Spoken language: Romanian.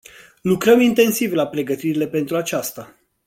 Lucrăm intensiv la pregătirile pentru aceasta.